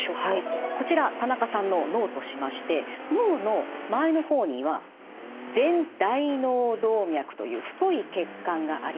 こちら田中さんの脳としまして脳の前の方には前大脳動脈という太い血管があります。